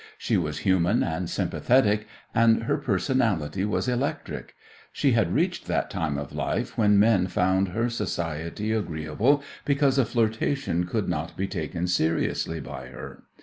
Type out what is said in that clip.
She was human and sympathetic, and her personality was electric. She had reached that time of life when men found her society agreeable, because a flirtation could not be taken seriously by her.